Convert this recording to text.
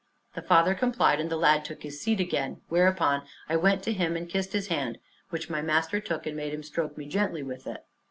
The father complied, and the lad took his seat again, whereupon I went to him and kissed his hand, which my master took, and made him stroke me gently with it.